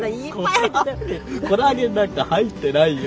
コラーゲンなんか入ってないよ。